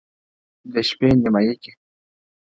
د شپې نيمي كي؛